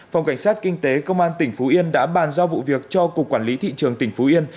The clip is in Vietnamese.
phòng cảnh sát kinh tế công an tỉnh phú yên đã bàn giao vụ việc cho cục quản lý thị trường tỉnh phú yên